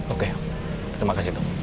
oke terima kasih dok